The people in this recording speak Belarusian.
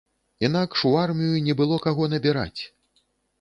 Інакш у армію не было каго набіраць!